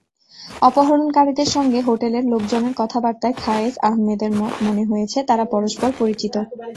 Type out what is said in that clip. অপহরণকারীদের সঙ্গে হোটেলের লোকজনের কথাবার্তায় খায়েজ আহম্মেদের মনে হয়েছে, তারা পরস্পর পরিচিত।